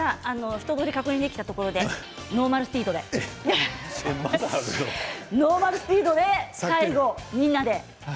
一とおり確認できたところでノーマルスピードで最後みんなで。